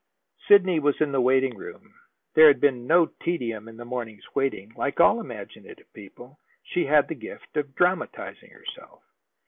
Sidney was in the waiting room. There had been no tedium in the morning's waiting. Like all imaginative people, she had the gift of dramatizing herself.